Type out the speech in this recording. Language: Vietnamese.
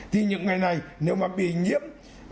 thì những ngày này nếu mà bị nhiễm